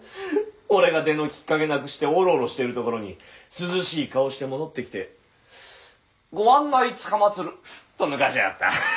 俺が出のきっかけなくしてオロオロしてるところに涼しい顔して戻ってきて「ご案内つかまつる」とぬかしやがった。